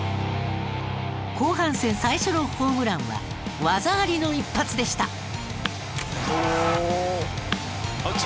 後半戦最初のホームランは技ありの一発でした。